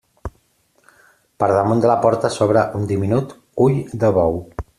Per damunt de la porta s'obre un diminut ull de bou.